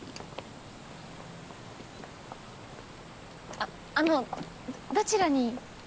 あっあのどちらに？